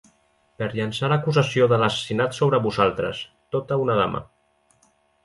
Per llançar l'acusació de l'assassinat sobre vosaltres, tota una dama.